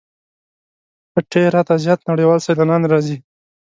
پېټرا ته زیات نړیوال سیلانیان راځي.